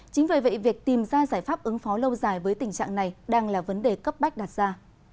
chính vì vậy việc tìm ra giải pháp ứng phó lâu dài với tình trạng này đang là vấn đề cấp bách đặt ra